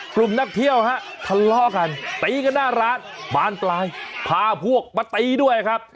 กลุ่มนักเที่ยวฮะทะเลาะกันตีกันหน้าร้านบานปลายพาพวกมาตีด้วยครับ